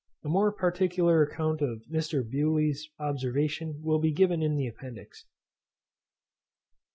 A more particular account of Mr. Bewley's observation will be given in the Appendix.